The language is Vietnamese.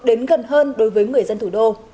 đến gần hơn đối với người dân thủ đô